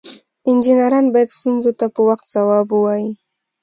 انجینران باید ستونزو ته په وخت ځواب ووایي.